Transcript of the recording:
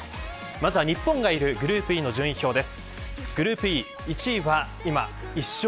まずは日本がいるグループＥの順位表です。